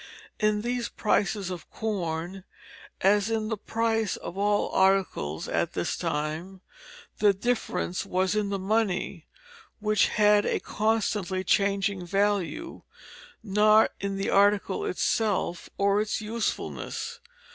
In these prices of corn, as in the price of all other articles at this time, the difference was in the money, which had a constantly changing value, not in the article itself or its usefulness.